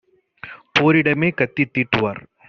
போரிடமே கத்தி தீட்டுவார்!